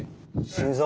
心臓？